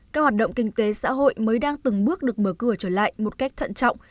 các hoạt động kinh tế xã hội mới đang từng bước được mở cửa trở lại một cách thận trọng